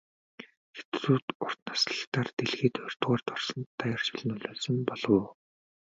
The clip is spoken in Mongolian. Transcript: Хятадууд урт наслалтаар дэлхийд хоёрдугаарт орсонд даяаршил нөлөөлсөн болов уу?